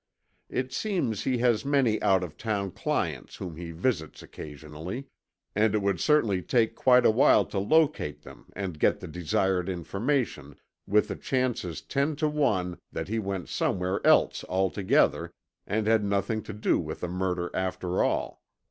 It seems he has many out of town clients whom he visits occasionally, and it would certainly take quite a while to locate them and get the desired information, with the chances ten to one that he went somewhere else altogether, and had nothing to do with the murder after all.